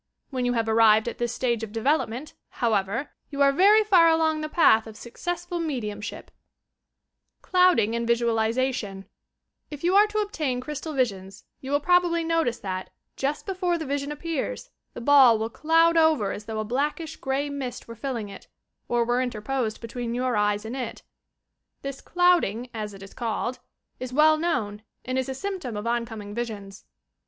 When you have arrived at this stage of development, however, you are very far along the path of successful mediumship j CU)ODING AND VISUAUZATION If you are to obtain crystal visions you will probably notice that, just before the vision appears, the ball will cloud over as though a blackish grey mist were filling it, or were interposed between your eyes aud it. This "clouding," as it is called, is well known and is a symp tom of oncoming visions.